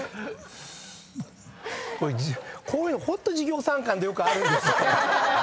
こういうのホント授業参観でよくあるんですよ。